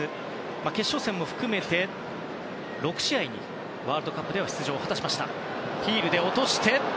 決勝戦も含め６試合にワールドカップで出場を果たしました。